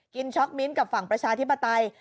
ช็อกมิ้นท์กับฝั่งประชาธิปไตย